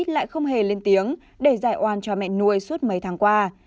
lại không hề lên tiếng để giải oan cho mẹ nuôi suốt mấy tháng qua